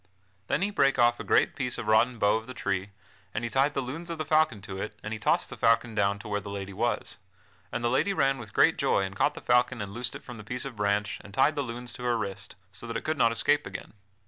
Then he brake off a great piece of rotten bough of the tree and he tied the lunes of the falcon to it and he tossed the falcon down to where the lady was; and the lady ran with great joy and caught the falcon and loosed it from the piece of branch and tied the lunes to her wrist, so that it could not escape again.